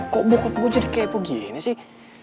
kok bokap gue jadi kayak begini sih